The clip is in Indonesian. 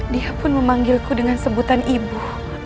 dia pun memanggilku dengan sebutan ibu